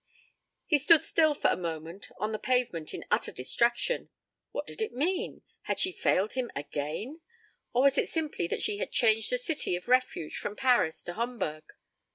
He stood still for a moment on the pavement in utter distraction. What did it mean? Had she failed him again? Or was it simply that she had changed the city of refuge from Paris to Homburg?